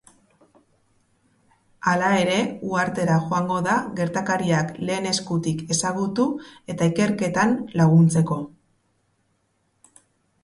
Hala ere, uhartera joango da gertakariak lehen eskutik ezagutu eta ikerketan laguntzeko.